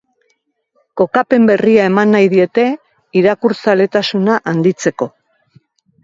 Kokapen berria eman nahi diete irakurzaletasuna handitzeko.